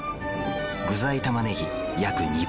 具材たまねぎ約２倍。